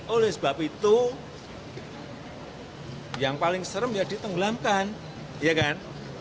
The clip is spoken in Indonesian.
oleh sebab itu yang paling serem ya ditenggelamkan ya kan